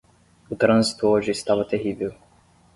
O trânsito hoje estava terrível.